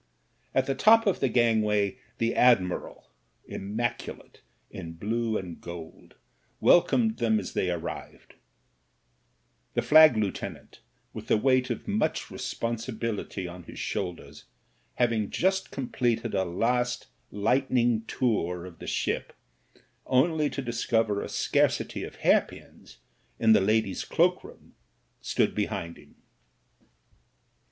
At the top of the gang way the admiral, immaculate in blue and gold, wel comed them as they arrived ; the flag lieutenant, with the weight of much respcmsibility on his shoulders, having just completed a last lightning tour of the ship, only to discover a scarcity of hairpins in the ladies' cloak room, stood behind him.